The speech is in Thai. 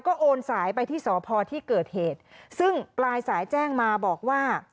ก็โอนสายไปที่สพที่เกิดเหตุซึ่งปลายสายแจ้งมาบอกว่า